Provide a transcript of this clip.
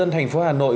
ubnd thành phố hà nội